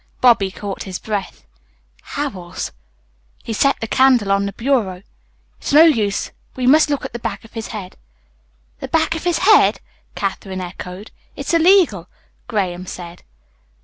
Bobby caught his breath. "Howells " He set the candle on the bureau. "It's no use. We must look at the back of his head." "The back of his head!" Katherine echoed. "It's illegal," Graham said.